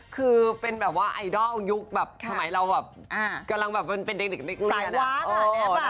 คือเป็นแบบว่าไอดอลยุคแบบสมัยเราแบบกำลังแบบเป็นเด็ก